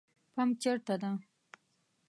پمپ چیرته ده؟